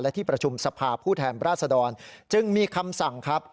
และที่ประชุมสภาผู้แทนราชดรจึงมีคำสั่งครับ